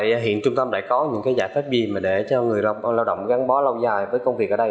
vậy hiện trung tâm đã có những giải pháp gì để cho người lao động gắn bó lâu dài với công việc ở đây